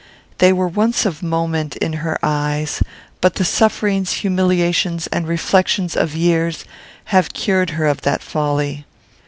They were once of moment in her eyes; but the sufferings, humiliations, and reflections of years have cured her of the folly.